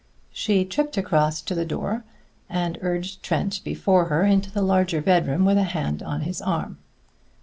She tripped across to the door, and urged Trent before her into the larger bedroom with a hand on his arm.